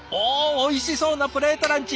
おいしそうなプレートランチ。